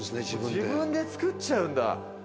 自分で作っちゃうんだ！